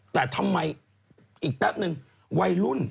แต่ทำไมอีกแป๊บนึงวัยรุ่น